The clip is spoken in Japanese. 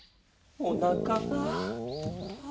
おなかが。